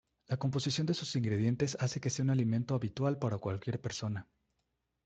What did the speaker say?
La composición de sus ingredientes hace que sea un alimento habitual para cualquier persona.